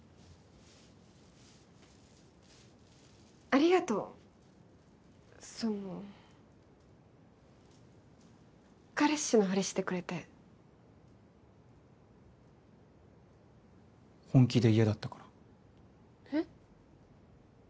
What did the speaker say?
ありがとうその彼氏のフリしてくれて本気で嫌だったからえっ？